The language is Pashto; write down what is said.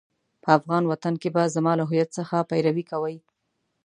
په افغان وطن کې به زما له هويت څخه پيروي کوئ.